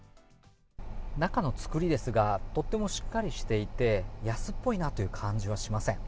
中の作りですがとてもしっかりしていて安っぽいなという感じはしません。